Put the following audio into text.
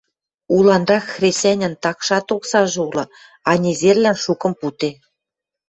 Уланрак хресӓньӹн такшат оксажы улы, а незерлӓн шукым пуде.